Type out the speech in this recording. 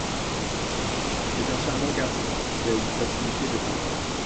C’est un charmant garçon… qui a une facilité de parole…